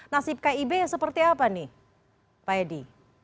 nasib kib seperti apa nih pak edi